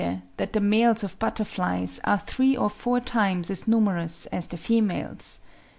1853, s. 775) that the males of Butterflies are three or four times as numerous as the females.)